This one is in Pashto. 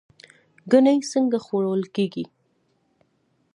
ګنی څنګه خوړل کیږي؟